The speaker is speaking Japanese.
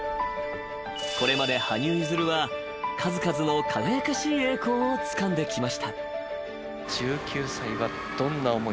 ［これまで羽生結弦は数々の輝かしい栄光をつかんできました］